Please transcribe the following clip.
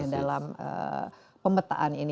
dalam pemetaan ini